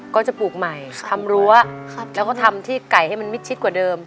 ก็จะปลูกใหม่ทำรั้วแล้วก็ทำที่ไก่ให้มันมิดชิดกว่าเดิม